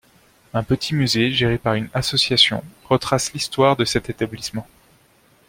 Un petit musée, gérée par une association, retrace l'histoire de cet établissement.